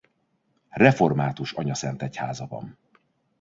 Református anyaszentegyháza van.